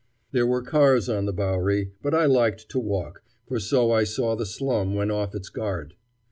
There were cars on the Bowery, but I liked to walk, for so I saw the slum when off its guard.